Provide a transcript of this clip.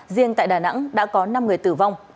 riêng tại đà nẵng đã có năm người tử vong